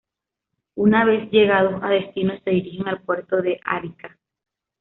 Una vez llegados a destino, se dirigen al puerto de Arica.